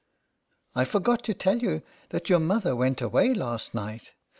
I forgot to tell you that your mother went away last night.